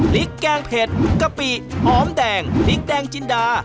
แกงเผ็ดกะปิหอมแดงพริกแดงจินดา